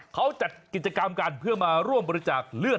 เขาจัดกิจกรรมกันเพื่อมาร่วมบริจาคเลือด